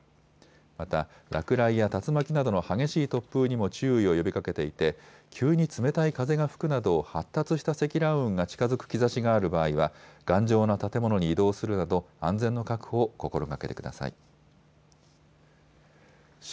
また落雷や竜巻などの激しい突風にも注意を呼びかけていて急に冷たい風が吹くなど発達した積乱雲が近づく兆しがある場合は頑丈な建物に移動するなど安全の確保を心がけてください。